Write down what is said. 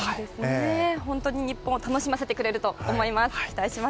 本当に日本を楽しませてくれると思います。